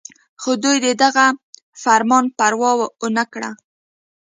خو دوي د دغه فرمان پروا اونکړه